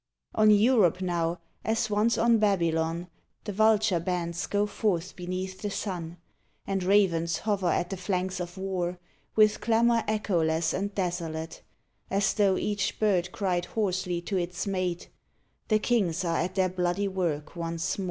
On Europe now, as once on Babylon, The vulture bands go forth beneath the sun, And ravens hover at the flanks of war With clamor echoless and desolate, As tho each bird cried hoarsely to its mate, "The kings are at their bloody work once more!"